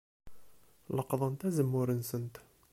Leqḍent azemmur-nsent.